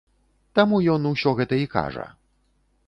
Таму ён усе гэта і кажа.